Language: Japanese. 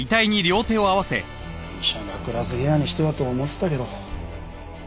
医者が暮らす部屋にしてはと思ってたけど。